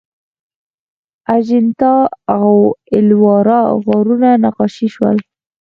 اجنتا او ایلورا غارونه نقاشي شول.